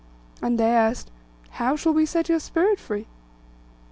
And they asked, 'How shall we set your spirit free?